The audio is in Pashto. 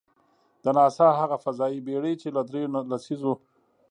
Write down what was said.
د ناسا هغه فضايي بېړۍ، چې له درېیو لسیزو .